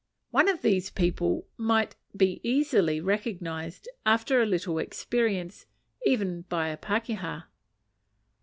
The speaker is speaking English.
One of these people might be easily recognized, after a little experience, even by a pakeha.